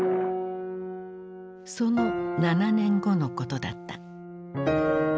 その７年後のことだった。